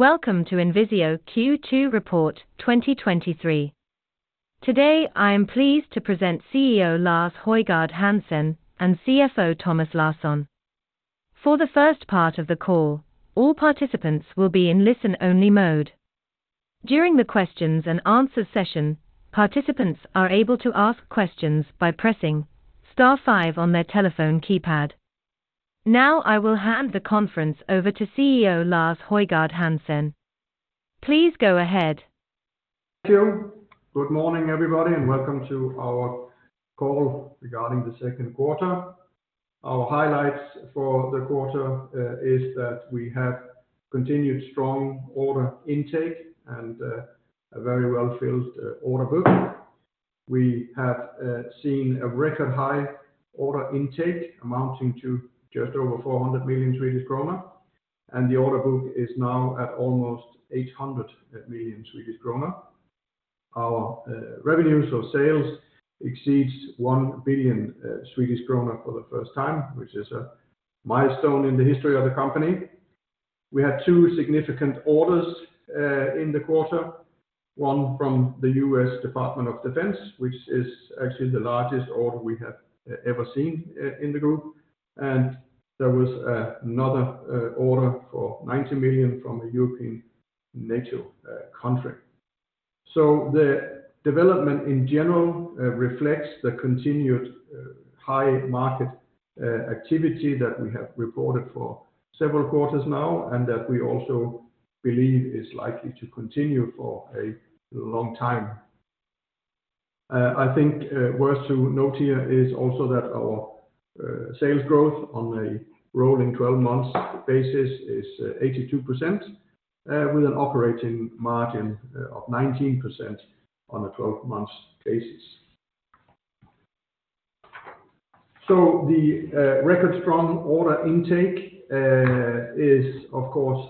Welcome to INVISIO Q2 Report 2023. Today, I am pleased to present CEO Lars Højgård Hansen and CFO Thomas Larsson. For the first part of the call, all participants will be in listen-only mode. During the questions and answers session, participants are able to ask questions by pressing star five on their telephone keypad. I will hand the conference over to CEO Lars Højgård Hansen. Please go ahead. Thank you. Good morning, everybody, and welcome to our call regarding the Q2. Our highlights for the quarter is that we have continued strong order intake and a very well-filled order book. We have seen a record high order intake amounting to just over 400 million Swedish krona, and the order book is now at almost 800 million Swedish krona. Our revenues or sales exceeds 1 billion Swedish krona for the first time, which is a milestone in the history of the company. We had two significant orders in the quarter, one from the US Department of Defense, which is actually the largest order we have ever seen in the group, and there was another order for 90 million from a UK NATO country. The development in general reflects the continued high market activity that we have reported for several quarters now, and that we also believe is likely to continue for a long time. I think worth to note here is also that our sales growth on a rolling 12-month basis is 82%, with an operating margin of 19% on a 12-month basis. The record strong order intake is of course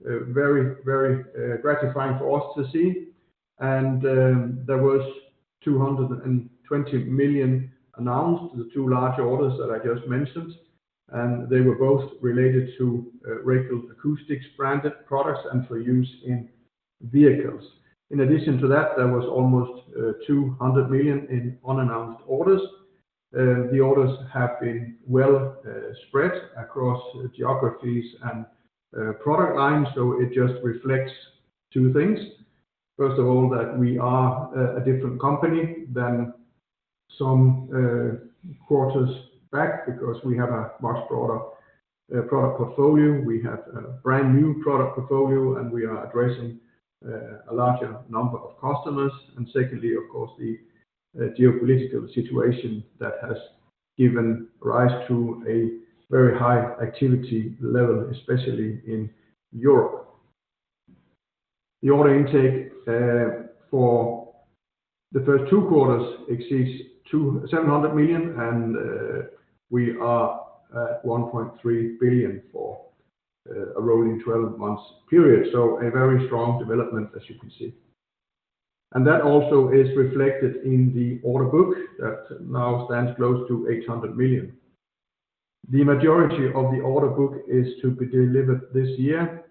very, very gratifying for us to see, and there was 220 million announced, the two large orders that I just mentioned, and they were both related to Racal Acoustics branded products and for use in vehicles. In addition to that, there was almost 200 million in unannounced orders. The orders have been well spread across geographies and product lines, so it just reflects two things. First of all, that we are a different company than some quarters back because we have a much broader product portfolio. We have a brand new product portfolio, and we are addressing a larger number of customers. Secondly, of course, the geopolitical situation that has given rise to a very high activity level, especially in Europe. The order intake for the first two quarters exceeds to 700 million, and we are at 1.3 billion for a rolling 12-months period. A very strong development, as you can see. That also is reflected in the order book that now stands close to 800 million. The majority of the order book is to be delivered this year,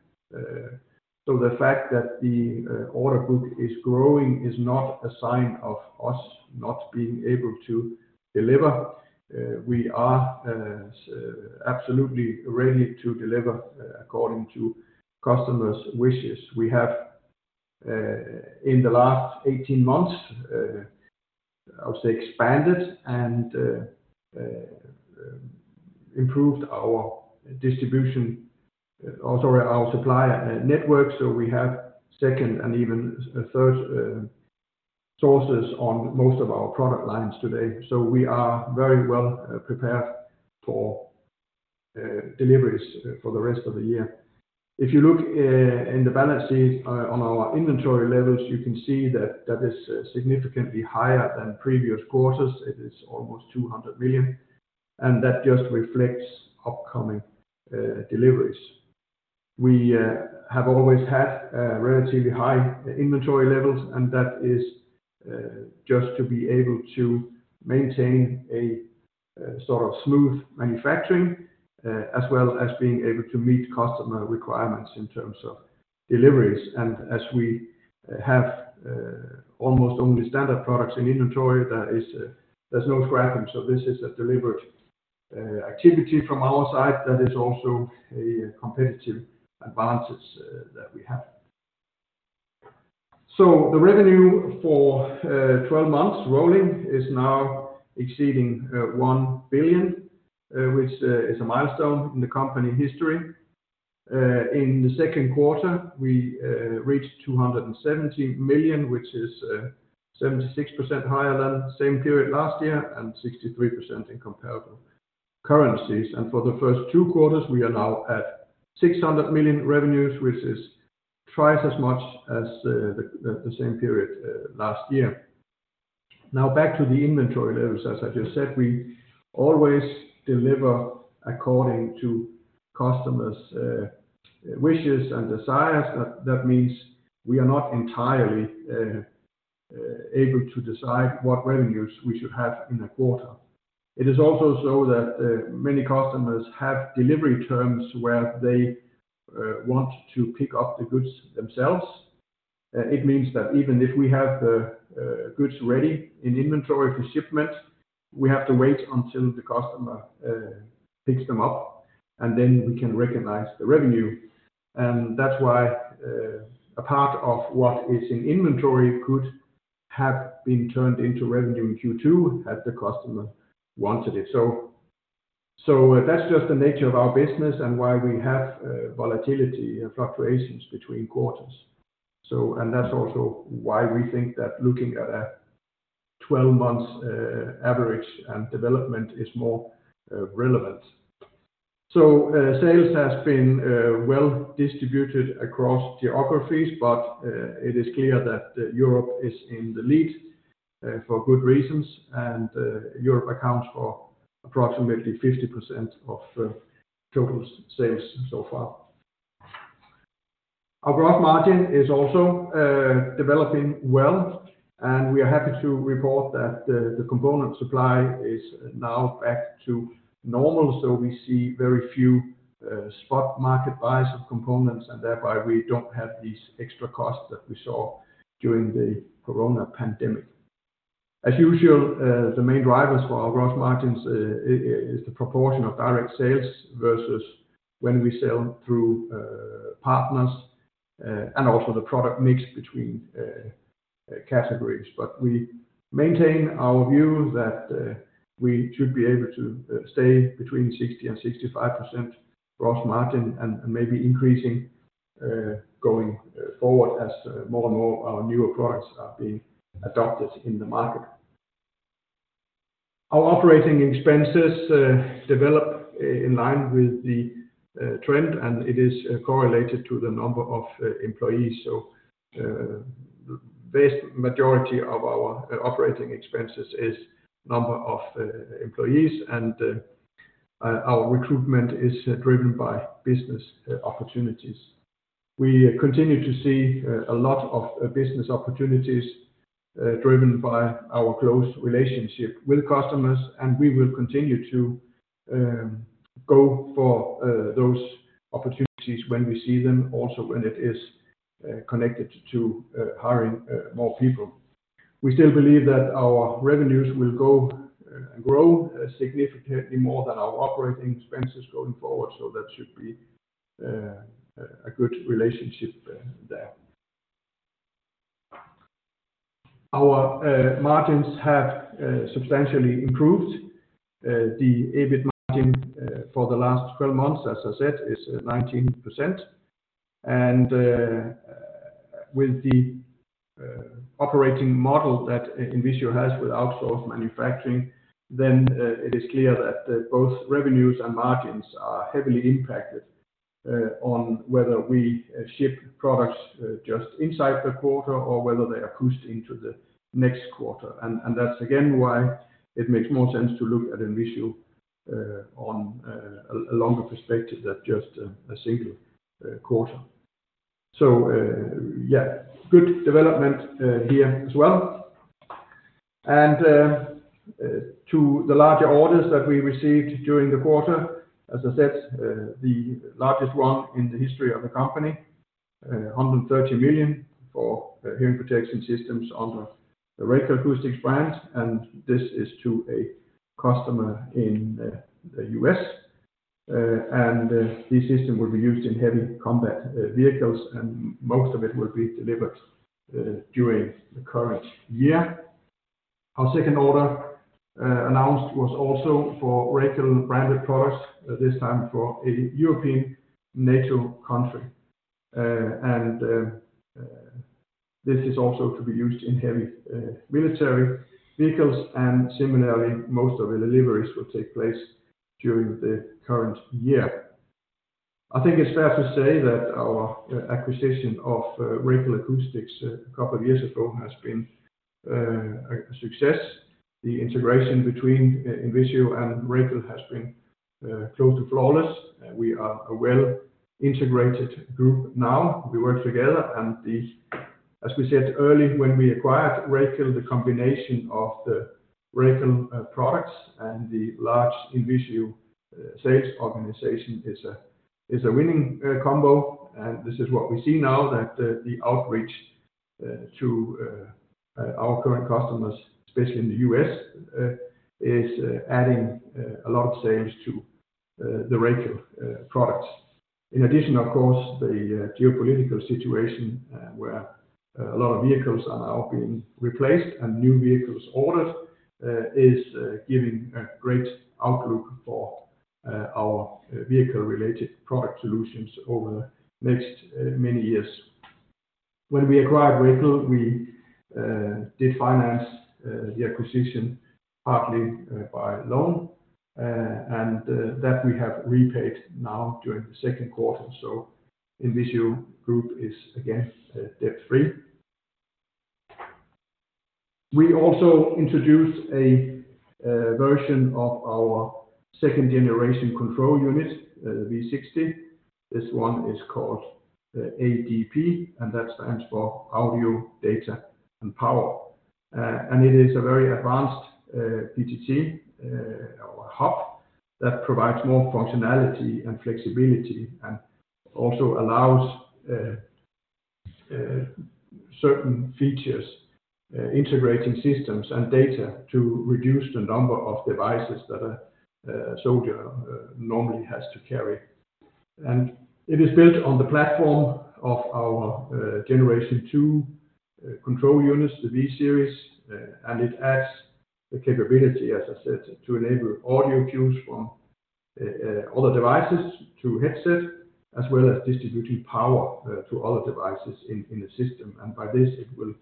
so the fact that the order book is growing is not a sign of us not being able to deliver. We are absolutely ready to deliver according to customers wishes. We have in the last 18 months, I would say, expanded and improved our distribution, also our supplier network. We have second and even a third sources on most of our product lines today, so we are very well prepared for deliveries for the rest of the year. If you look in the balance sheet on our inventory levels, you can see that that is significantly higher than previous quarters. It is almost 200 million, and that just reflects upcoming deliveries. We have always had relatively high inventory levels, and that is just to be able to maintain a sort of smooth manufacturing, as well as being able to meet customer requirements in terms of deliveries. As we have almost only standard products in inventory, there is there's no scrapping, so this is a deliberate activity from our side that is also a competitive advantage that we have. The revenue for 12 months rolling is now exceeding 1 billion, which is a milestone in the company history. In the Q2 we reached 270 million, which is 76% higher than the same period last year and 63% in comparable currencies. For the first two quarters, we are now at 600 million revenues, which is twice as much as the same period last year. Back to the inventory levels, as I just said, we always deliver according to customers' wishes and desires. That means we are not entirely able to decide what revenues we should have in a quarter. It is also so that many customers have delivery terms where they want to pick up the goods themselves. It means that even if we have the goods ready in inventory for shipment, we have to wait until the customer picks them up, and then we can recognize the revenue. That's why, a part of what is in inventory could have been turned into revenue in Q2 had the customer wanted it. That's just the nature of our business and why we have volatility and fluctuations between quarters. That's also why we think that looking at a 12-month average and development is more relevant. Sales has been well distributed across geographies, but it is clear that Europe is in the lead for good reasons. Europe accounts for approximately 50% of the total sales so far. Our gross margin is also developing well, and we are happy to report that the component supply is now back to normal. We see very few spot market buys of components, and therefore we don't have these extra costs that we saw during the Corona pandemic. As usual, the main drivers for our gross margins is the proportion of direct sales versus when we sell through partners, and also the product mix between categories. We maintain our view that we should be able to stay between 60% and 65% gross margin, and maybe increasing going forward as more and more our newer products are being adopted in the market. Our operating expenses develop in line with the trend, and it is correlated to the number of employees. The based majority of our operating expenses is number of employees, and our recruitment is driven by business opportunities. We continue to see a lot of business opportunities, driven by our close relationship with customers. We will continue to go for those opportunities when we see them, also when it is connected to hiring more people. We still believe that our revenues will grow significantly more than our operating expenses going forward, that should be a good relationship there. Our margins have substantially improved. The EBIT margin for the last 12 months, as I said, is 19%. With the operating model that INVISIO has with outsourced manufacturing, it is clear that both revenues and margins are heavily impacted on whether we ship products just inside the quarter or whether they are pushed into the next quarter. That's again, why it makes more sense to look at INVISIO on a longer perspective than just a single quarter. Yeah, good development here as well. To the larger orders that we received during the quarter, as I said, the largest one in the history of the company, $130 million for hearing protection systems under the Racal Acoustics brand, and this is to a customer in the U.S. This system will be used in heavy combat vehicles, and most of it will be delivered during the current year. Our second order announced, was also for Racal branded products, at this time for a European NATO country. This is also to be used in heavy military vehicles, and similarly, most of the deliveries will take place during the current year. I think it's fair to say that our acquisition of Racal Acoustics a couple of years ago has been a success. The integration between INVISIO and Racal has been close to flawless. We are a well-integrated group now. We work together. As we said early, when we acquired Racal, the combination of the Racal products and the large INVISIO sales organization is a winning combo. This is what we see now, that the outreach to our current customers, especially in the U.S., is adding a lot of sales to the Racal products. In addition, of course, the geopolitical situation, where a lot of vehicles are now being replaced and new vehicles ordered, is giving a great outlook for our vehicle-related product solutions over the next many years. When we acquired Racal, we define as the acquisition partly by loan, and that we have repaid now during the Q2. INVISIO Group is again debt-free. We also introduced a version of our second-generation control unit, V60. This one is called the ADP, and that stands for Audio, Data and Power. It is a very advanced PTT hub that provides more functionality and flexibility, and also allows certain features, integrating systems and data to reduce the number of devices that a soldier normally has to carry. It is built on the platform of our generation two control units, the V-Series, and it adds the capability, as I said, to enable audio cues from other devices to headset, as well as distributing power to other devices in the system. By this, it will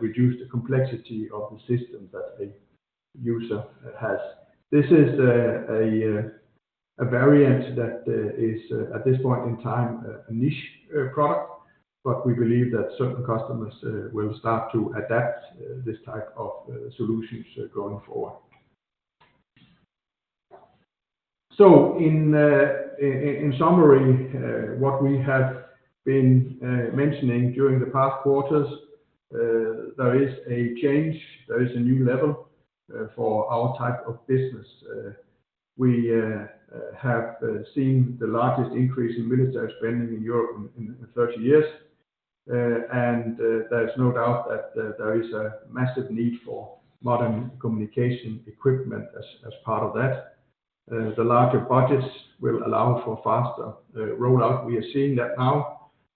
reduce the complexity of the system that a user has. This is a variant that is at this point in time a niche product, but we believe that certain customers will start to adapt this type of solutions going forward. In summary, what we have been mentioning during the past quarters, there is a change, there is a new level for our type of business. We have seen the largest increase in military spending in Europe in 30 years. There is no doubt that there is a massive need for modern communication equipment as part of that. The larger budgets will allow for faster rollout. We are seeing that now.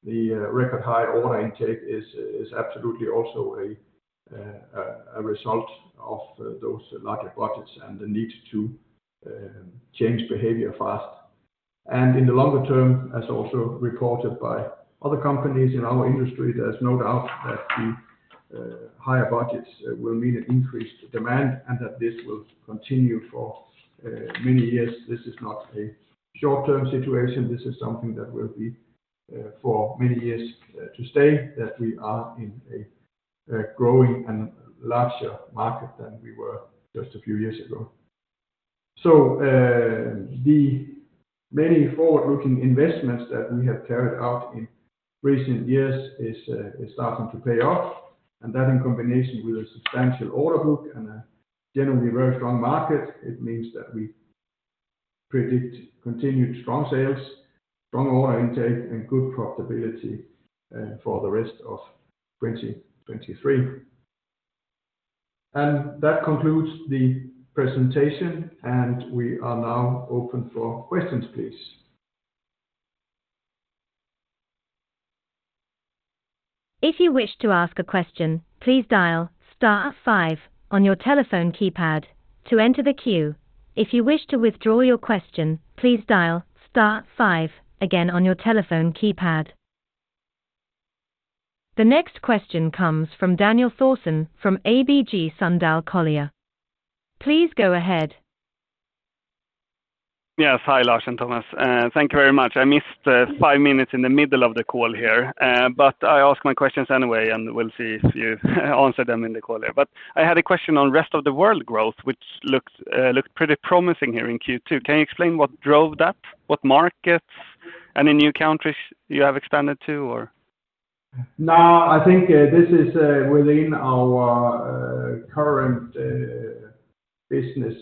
The record high order intake is absolutely also a result of those larger budgets and the need to change behavior fast. In the longer term, as also reported by other companies in our industry, there's no doubt that the higher budgets will mean an increased demand, and that this will continue for many years. This is not a short-term situation. This is something that will be for many years to stay, that we are in a growing and larger market than we were just a few years ago. The many forward-looking investments that we have carried out in recent years is starting to pay off, and that in combination with a substantial order book and a generally very strong market, it means that we predict continued strong sales, strong order intake, and good profitability for the rest of 2023. That concludes the presentation, and we are now open for questions, please. If you wish to ask a question, please dial star five on your telephone keypad to enter the queue. If you wish to withdraw your question, please dial star five again on your telephone keypad. The next question comes from Daniel Thorsson from ABG Sundal Collier. Please go ahead. Yes. Hi, Lars and Thomas. Thank you very much. I missed 5 minutes in the middle of the call here. I ask my questions anyway, and we'll see if you answer them in the call here. I had a question on rest of the world growth, which looks pretty promising here in Q2. Can you explain what drove that? What markets, any new countries you have expanded to, or? I think, this is, within our, current, business.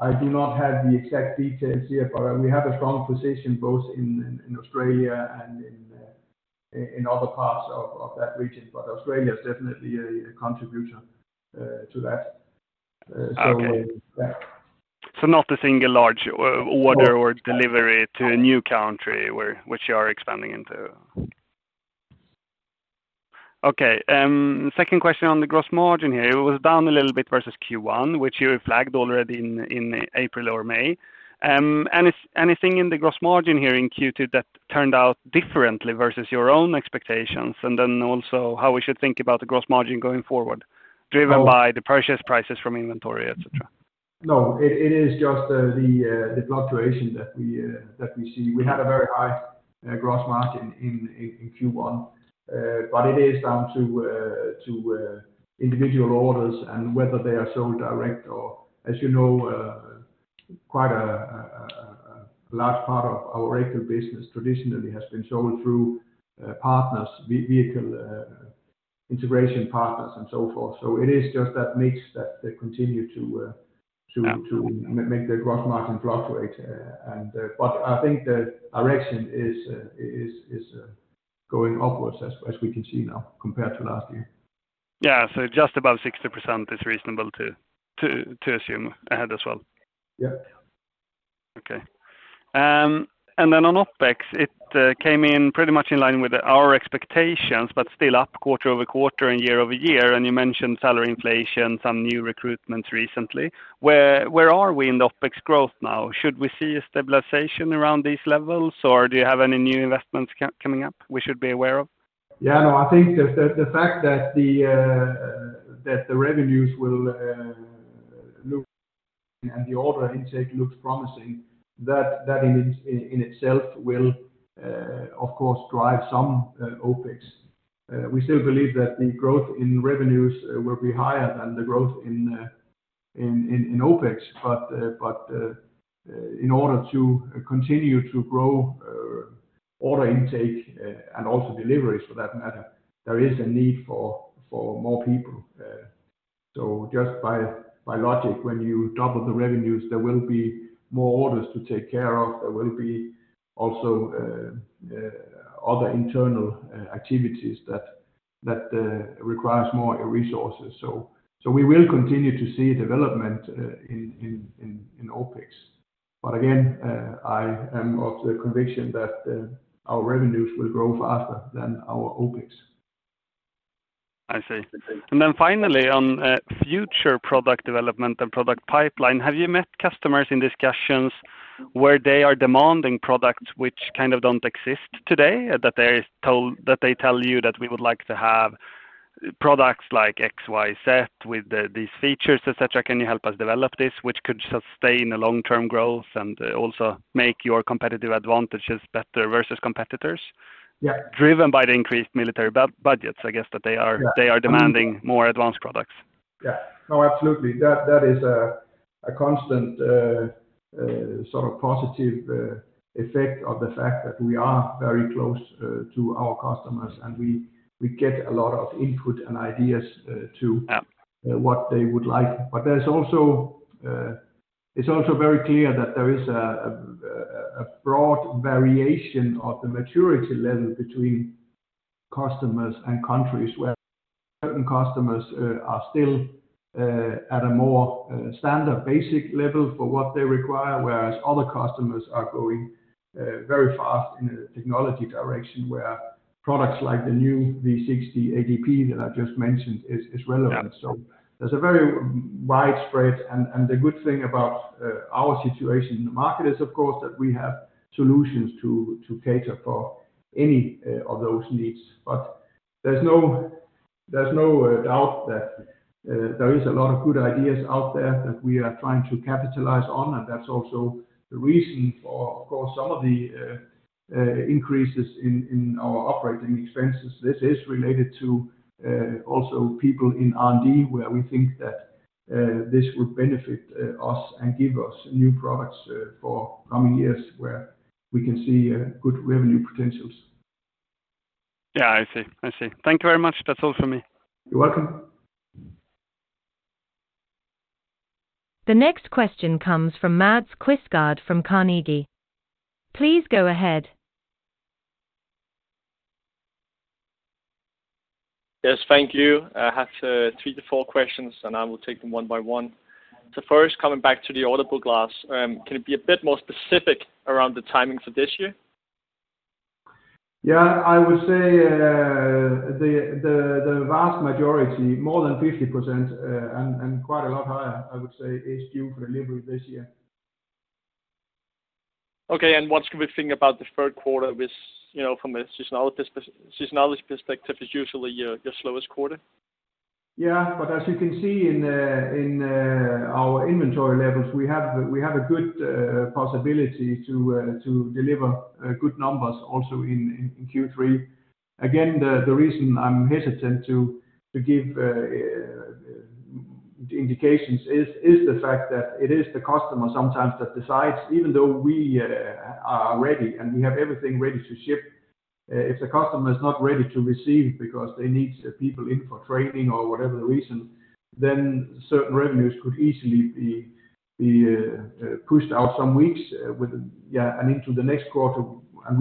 I do not have the exact details here, but we have a strong position both in Australia and in other parts of, that region. Australia is definitely a contribution to that. Okay. Yeah. Not a single large. No... order or delivery to a new country, which you are expanding into? Okay, second question on the gross margin here. It was down a little bit versus Q1, which you flagged already in April or May. Is anything in the gross margin here in Q2 that turned out differently versus your own expectations? Also, how we should think about the gross margin going forward, driven by the purchase prices from inventory, Etc. It is just the fluctuation that we see. We had a very high gross margin in Q1. It is down to individual orders and whether they are sold direct or, as you know, quite a large part of our regular business traditionally has been sold through partners, vehicle integration partners and so forth. It is just that mix that they continue to. Yeah to make the gross margin fluctuate, and but I think the direction is going upwards, as we can see now, compared to last year. Yeah. just about 60% is reasonable to assume ahead as well? Yeah. Okay. On OpEx, it came in pretty much in line with our expectations, but still up quarter-over-quarter and year-over-year. You mentioned salary inflation, some new recruitments recently. Where are we in the OpEx growth now? Should we see a stabilization around these levels, or do you have any new investments coming up we should be aware of? No, I think the fact that the revenues will look and the order intake looks promising, that in itself will of course drive some OpEx. We still believe that the growth in revenues will be higher than the growth in OpEx, but in order to continue to grow order intake and also deliveries for that matter, there is a need for more people. Just by logic, when you double the revenues, there will be more orders to take care of. There will be also other internal activities that requires more resources. We will continue to see development in OpEx. Again, I am of the conviction that our revenues will grow faster than our OpEx. I see. Finally, on, future product development and product pipeline, have you met customers in discussions where they are demanding products which kind of don't exist today? That they tell you that we would like to have products like XYZ with the, these features, et cetera, can you help us develop this? Which could sustain a long-term growth and, also make your competitive advantages better versus competitors? Yeah. Driven by the increased military budgets, I guess. Yeah. They are demanding more advanced products. Yeah. No, absolutely. That is a constant sort of positive effect of the fact that we are very close to our customers, and we get a lot of input and ideas. Yeah... what they would like. There's also, it's also very clear that there is a, a broad variation of the maturity level between customers and countries, where certain customers are still at a more standard basic level for what they require, whereas other customers are going very fast in a technology direction, where products like the new V60 ADP, that I just mentioned, is relevant. Yeah. There's a very widespread, and the good thing about our situation in the market is, of course, that we have solutions to cater for any of those needs. There's no doubt that there is a lot of good ideas out there that we are trying to capitalize on, and that's also the reason for some of the increases in our OpEx. This is related to also people in R&D, where we think that this would benefit us and give us new products for coming years, where we can see good revenue potentials. Yeah, I see. I see. Thank you very much. That's all for me. You're welcome. The next question comes from Mads Quistgaard, from Carnegie. Please go ahead. Yes, thank you. I have 3-4 questions. I will take them one by one. First, coming back to the order book loss, can you be a bit more specific around the timing for this year? Yeah, I would say, the vast majority, more than 50%, and quite a lot higher, I would say, is due for delivery this year. Okay, what can we think about the Q3 which, you know, from a seasonality perspective, is usually your slowest quarter? As you can see in our inventory levels, we have a good possibility to deliver good numbers also in Q3. Again, the reason I'm hesitant to give indications is the fact that it is the customer sometimes that decides, even though we are ready and we have everything ready to ship, if the customer is not ready to receive because they need people in for training or whatever the reason, then certain revenues could easily be pushed out some weeks and into the next quarter, and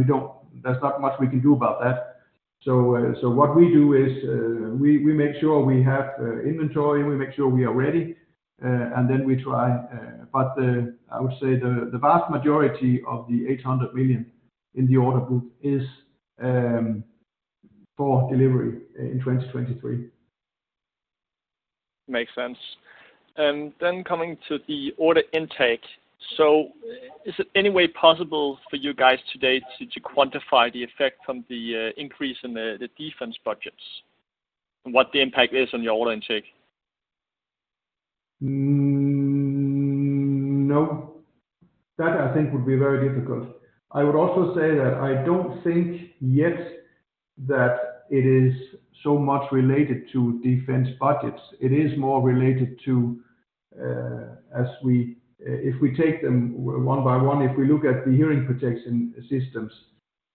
there's not much we can do about that. What we do is we make sure we have inventory, and we make sure we are ready, and then we try.I would say the vast majority of the 800 million in the order book is for delivery in 2023. Makes sense. Coming to the order intake. Is it any way possible for you guys today to quantify the effect from the increase in the defense budgets? What the impact is on your order intake? No, that I think would be very difficult. I would also say that I don't think yet that it is so much related to defense budgets. It is more related to, as we take them one by one, if we look at the hearing protection systems,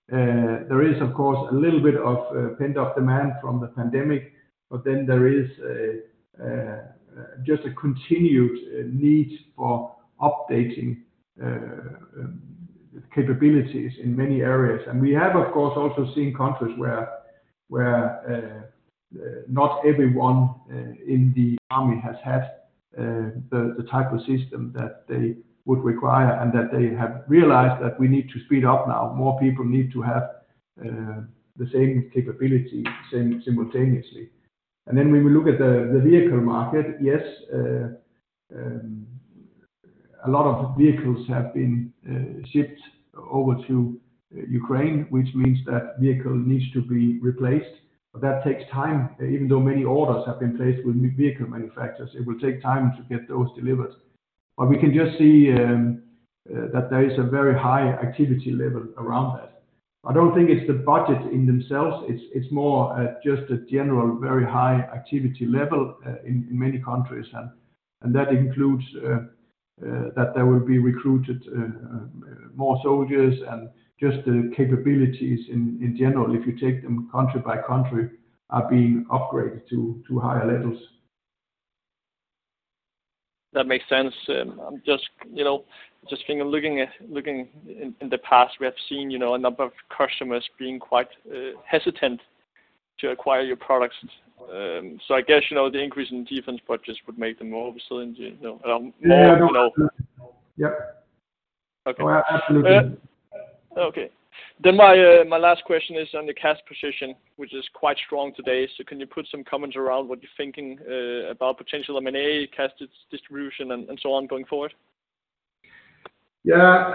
there is of course, a little bit of pent-up demand from the pandemic, but then there is just a continued need for updating capabilities in many areas. We have, of course, also seen countries where not everyone in the army has had the type of system that they would require, and that they have realized that we need to speed up now. More people need to have the same capability simultaneously. When we look at the vehicle market, yes, a lot of vehicles have been shipped over to Ukraine, which means that vehicle needs to be replaced, but that takes time. Even though many orders have been placed with new vehicle manufacturers, it will take time to get those delivered... We can just see, that there is a very high activity level around that. I don't think it's the budget in themselves, it's more, just a general, very high activity level, in many countries, and that includes, that there will be recruited, more soldiers and just the capabilities in general, if you take them country by country, are being upgraded to higher levels. That makes sense. I'm just, you know, just thinking of looking in the past, we have seen, you know, a number of customers being quite hesitant to acquire your products. I guess, you know, the increase in defense budgets would make them more resilient, you know, more, you know? Yeah. Okay. Absolutely. Okay. My last question is on the cash position, which is quite strong today. Can you put some comments around what you're thinking about potential M&A, cash distribution, and so on, going forward? Yeah,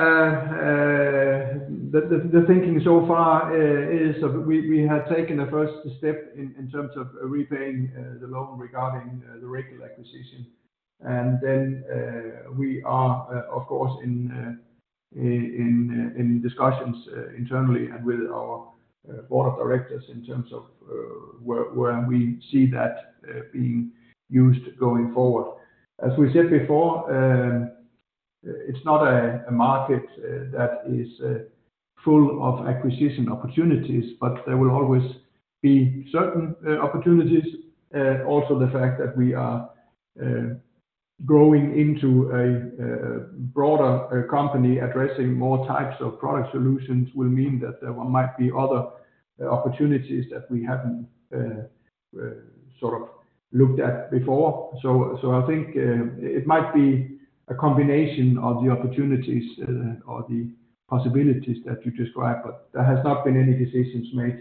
the thinking so far is we have taken the first step in terms of repaying the loan regarding the Racal acquisition. Then, we are of course in discussions internally and with our board of directors in terms of where we see that being used going forward. As we said before, it's not a market that is full of acquisition opportunities, but there will always be certain opportunities. The fact that we are growing into a broader company, addressing more types of product solutions, will mean that there might be other opportunities that we haven't sort of looked at before. I think it might be a combination of the opportunities or the possibilities that you described. There has not been any decisions made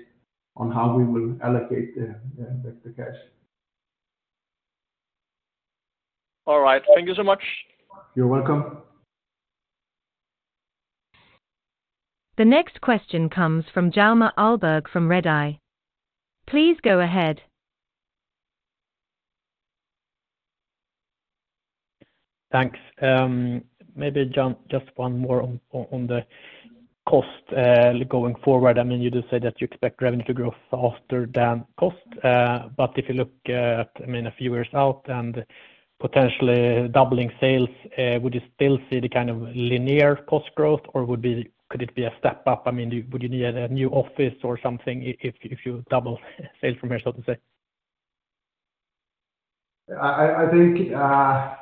on how we will allocate the cash. All right. Thank you so much. You're welcome. The next question comes from Hjalmar Ahlberg from Redeye. Please go ahead. Thanks. Maybe, Jan, just one more on the cost going forward. I mean, you just said that you expect revenue to grow faster than cost. If you look, I mean, a few years out and potentially doubling sales, would you still see the kind of linear cost growth, or could it be a step up? I mean, would you need a new office or something if you double sales from here, so to say? I think, I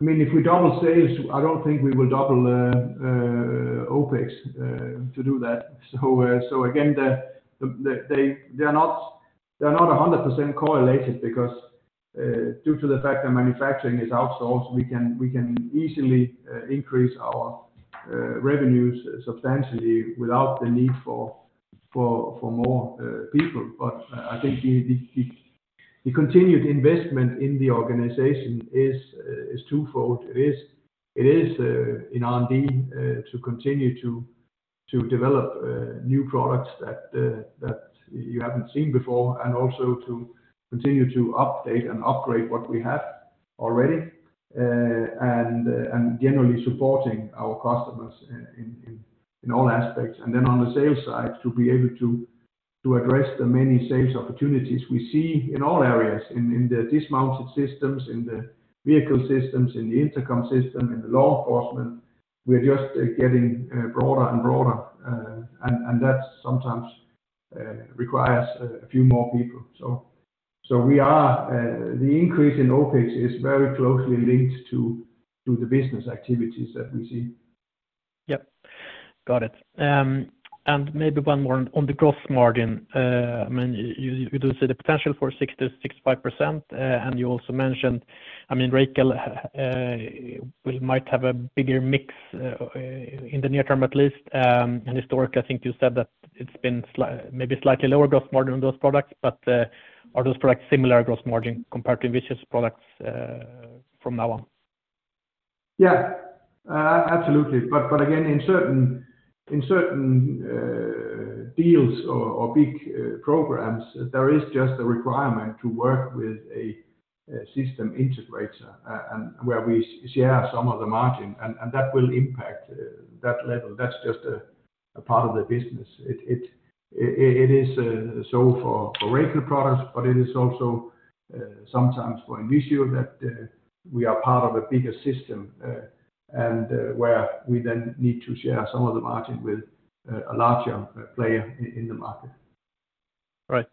mean, if we double sales, I don't think we will double OpEx to do that. Again, they are not 100% correlated because due to the fact that manufacturing is outsourced, we can easily increase our revenues substantially without the need for more people. I think the continued investment in the organization is twofold. It is in R&D to continue to develop new products that you haven't seen before, and also to continue to update and upgrade what we have already, and generally supporting our customers in all aspects. On the sales side, to be able to address the many sales opportunities we see in all areas, in the dismounted systems, in the vehicle systems, in the intercom system, in the law enforcement. We are just getting broader and broader, and that sometimes requires a few more people. The increase in OpEx is very closely linked to the business activities that we see. Yep. Got it. Maybe one more on the gross margin. I mean, you do see the potential for 60%-65%, and you also mentioned, I mean, Racal, might have a bigger mix, in the near term at least. Historically, I think you said that it's been slightly lower gross margin on those products, but, are those products similar gross margin compared to INVISIO's products, from now on? Yeah, absolutely. Again, in certain deals or big programs, there is just a requirement to work with a system integrator, and where we share some of the margin, and that will impact that level. That's just a part of the business. It is so for Racal products. It is also sometimes for INVISIO, that we are part of a bigger system, and where we then need to share some of the margin with a larger player in the market. Right.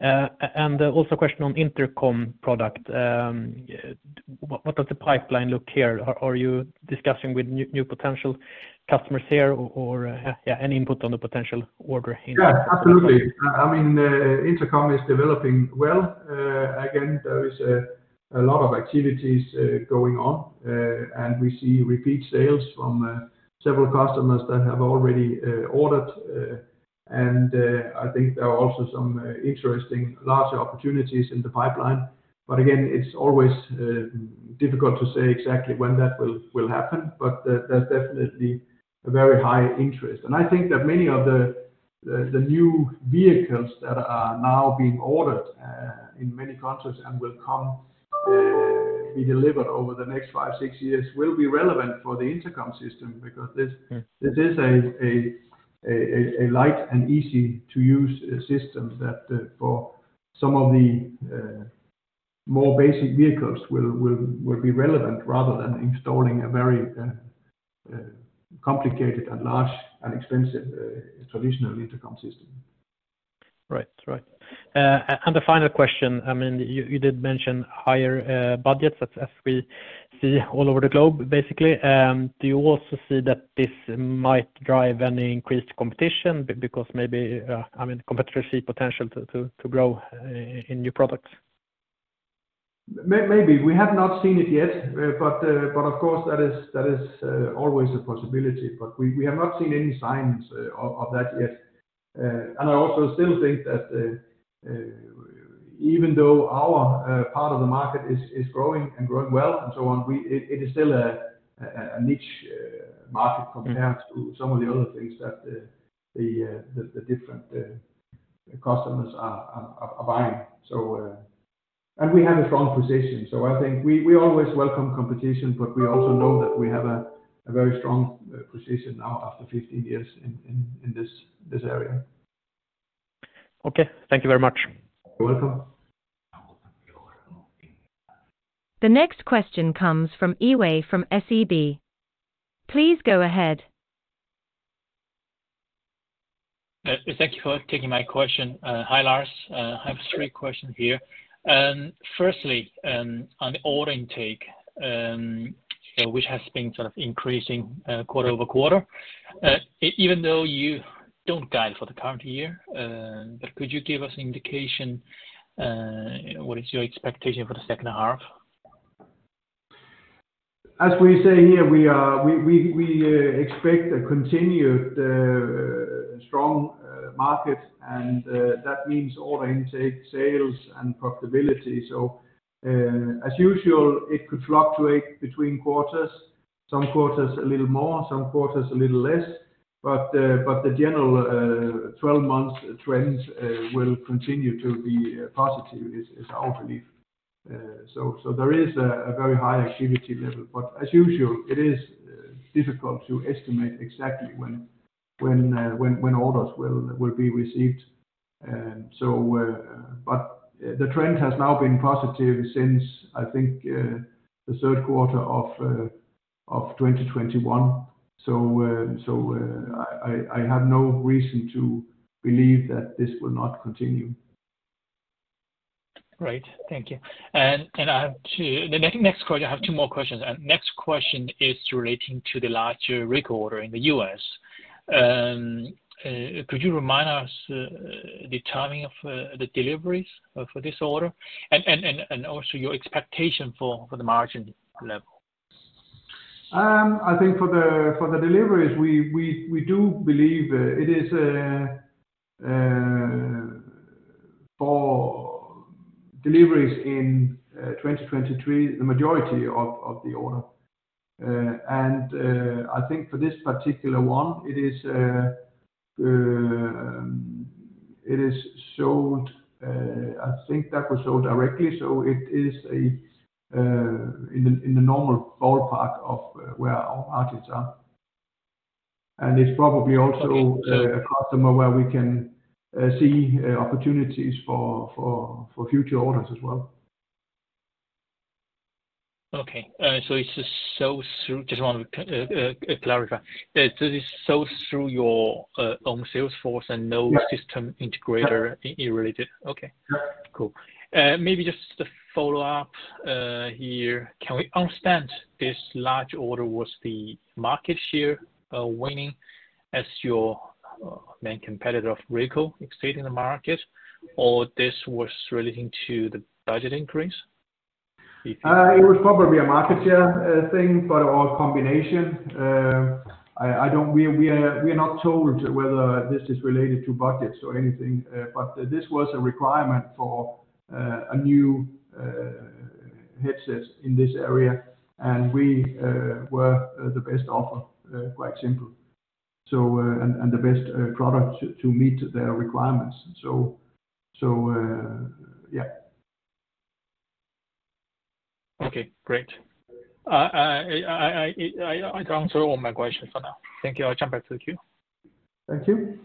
Also a question on intercom product. What does the pipeline look here? Are you discussing with new potential customers here, or, yeah, any input on the potential order here? Yeah, absolutely. I mean, intercom is developing well. Again, there is a lot of activities going on, and we see repeat sales from several customers that have already ordered. I think there are also some interesting larger opportunities in the pipeline. Again, it's always difficult to say exactly when that will happen, but there's definitely a very high interest. I think that many of the new vehicles that are now being ordered in many countries and will come, be delivered over the next five, six years, will be relevant for the intercom system. This. Right. This is a light and easy-to-use system that for some of the more basic vehicles will be relevant rather than installing a very complicated and large and expensive traditionally intercom system. Right. Right. The final question, I mean, you did mention higher budgets as we see all over the globe, basically. Do you also see that this might drive any increased competition because maybe, I mean, competitors see potential to grow in new products? Maybe. We have not seen it yet. Of course, that is always a possibility, but we have not seen any signs of that yet. I also still think that even though our part of the market is growing and growing well and so on, it is still a niche market. Mm-hmm. -compared to some of the other things that the different customers are buying. And we have a strong position. I think we always welcome competition, but we also know that we have a very strong position now after 15 years in this area. Okay. Thank you very much. You're welcome. The next question comes from Yiwei from SEB. Please go ahead. Thank you for taking my question. Hi, Lars. I have 3 questions here. Firstly, on the order intake, which has been sort of increasing quarter-over-quarter. Even though you don't guide for the current year, could you give us an indication, what is your expectation for the second half? As we say here, we expect a continued strong market, and that means order intake, sales, and profitability. As usual, it could fluctuate between quarters. Some quarters a little more, some quarters a little less, but the general 12-month trends will continue to be positive, is our belief. There is a very high activity level, but as usual, it is difficult to estimate exactly when orders will be received. But the trend has now been positive since, I think, the Q3 of 2021. I have no reason to believe that this will not continue. Great, thank you. I have two more questions. Next question is relating to the larger recorder in the US. Could you remind us the timing of the deliveries for this order? Also your expectation for the margin level. I think for the deliveries, we do believe, it is for deliveries in 2023, the majority of the order. I think for this particular one, it is, it is sold, I think that was sold directly, so it is a, in the normal ballpark of where our margins are. It's probably. Okay. a customer where we can see opportunities for future orders as well. Okay. It's just sold through... Just want to clarify. This is sold through your own sales force and Yes. system integrator Correct. related? Okay. Yeah. Cool. Maybe just a follow-up here. Can we understand this large order was the market share winning as your main competitor of Racal exceeding the market, or this was relating to the budget increase? it was probably a market share thing, but or a combination. I don't. We are not told whether this is related to budgets or anything, but this was a requirement for a new headset in this area, and we were the best offer quite simple, and the best product to meet their requirements. Yeah. Okay, great. I answered all my questions for now. Thank you. I'll jump back to the queue. Thank you.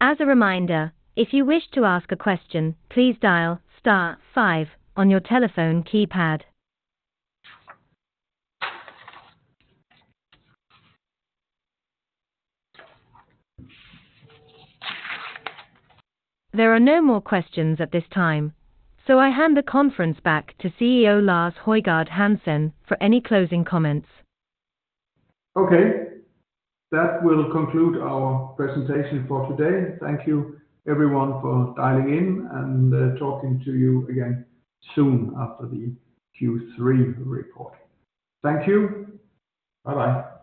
As a reminder, if you wish to ask a question, please dial star five on your telephone keypad. There are no more questions at this time. I hand the conference back to CEO Lars Højgård Hansen for any closing comments. Okay. That will conclude our presentation for today. Thank you everyone for dialing in, and talking to you again soon after the Q3 report. Thank you. Bye-bye.